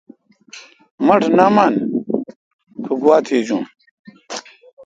مٹھ نہ من کو گوا تھجیون ۔